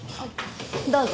どうぞ。